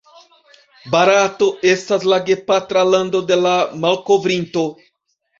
Barato estas la gepatra lando de la malkovrinto.